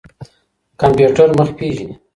کمپيوټر مخ پېژني.